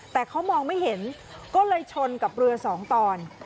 แต่เขามองไม่เห็นก็เลยชนกับเรือสองตอน